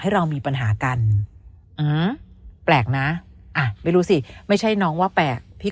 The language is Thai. เรามีปัญหากันอืมแปลกนะอ่ะไม่รู้สิไม่ใช่น้องว่าแปลกพี่